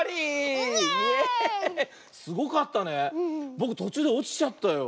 ぼくとちゅうでおちちゃったよ。